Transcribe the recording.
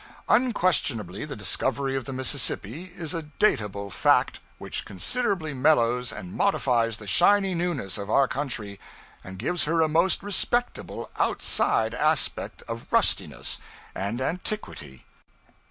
Unquestionably the discovery of the Mississippi is a datable fact which considerably mellows and modifies the shiny newness of our country, and gives her a most respectable outside aspect of rustiness and antiquity.